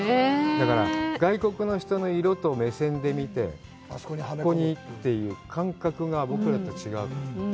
だから、外国の人の色と目線で見て、ここにという感覚が、僕らと違う。